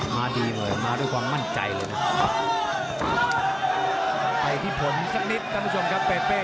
มาดีเลยมาด้วยความมั่นใจเลยนะ